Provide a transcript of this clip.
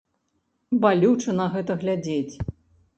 Балюча на гэта глядзець.